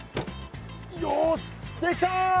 よしできた！